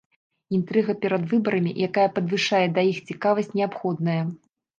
Інтрыга перад выбарамі, якая падвышае да іх цікавасць, неабходная.